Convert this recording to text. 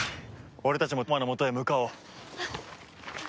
俺たちも飛羽真のもとへ向かおう。